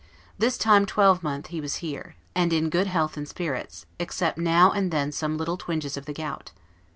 This time twelvemonth he was here, and in good health and spirits, except now and then some little twinges of the gout.